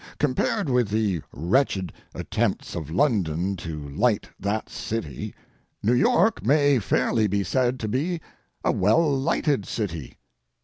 Compared with the wretched attempts of London to light that city, New York may fairly be said to be a well lighted city.